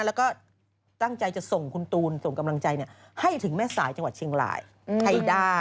แล้วก็ตั้งใจจะส่งคุณตูนส่งกำลังใจให้ถึงแม่สายจังหวัดเชียงรายให้ได้